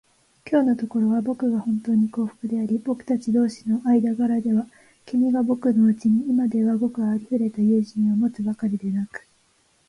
きょうのところは、ぼくがほんとうに幸福であり、ぼくたち同士の間柄では、君がぼくのうちに今ではごくありふれた友人を持つばかりでなく、